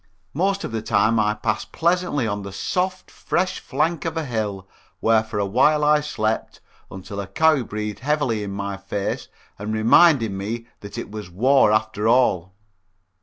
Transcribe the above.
Most of the time I passed pleasantly on the soft, fresh flank of a hill where for a while I slept until a cow breathed heavily in my face and reminded me that it was war after all.